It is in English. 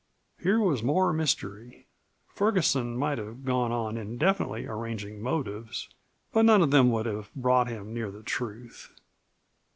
Here was more mystery. Ferguson might have gone on indefinitely arranging motives, but none of them would have brought him near the truth.